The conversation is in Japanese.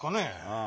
ああ。